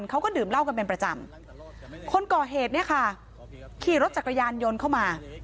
เขาก็ดื่มเหล้ากันเป็นประจำคนก่อเหตุเนี่ยค่ะขี่รถจักรยานยนต์เข้ามา